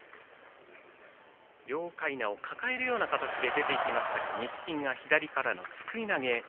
両かいなを抱えるような形で出ていきましたが錦木が左からのすくい投げ